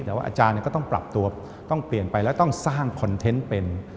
แต่ว่าอาจารย์ก็ต้องปรับตัวต้องเปลี่ยนไปแล้วต้องสร้างคอนเทนต์เป็น